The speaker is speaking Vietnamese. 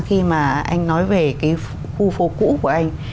khi mà anh nói về cái khu phố cũ của anh